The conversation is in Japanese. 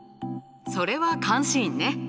それは監視員ね。